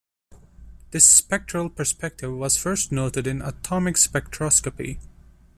This spectral perspective was first noted in atomic spectroscopy.